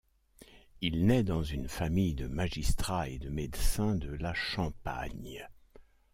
Il naît dans une famille de magistrats et de médecins de la Champagne.